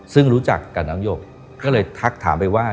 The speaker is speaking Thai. ซึ่งรู้จักกับน้องหยกก็เลยทักถามไปว่า